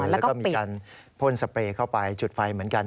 แล้วก็มีการพ่นสเปรย์เข้าไปจุดไฟเหมือนกัน